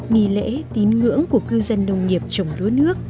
nghi lễ tín ngưỡng của cư dân nông nghiệp trồng lúa nước